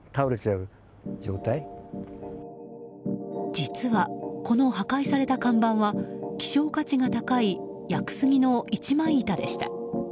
実は、この破壊された看板は希少価値が高い屋久杉の一枚板でした。